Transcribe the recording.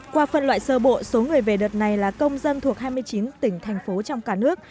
qua phân loại sơ bộ số người về đợt này là công dân thuộc hai mươi chín tỉnh thành phố trong cả nước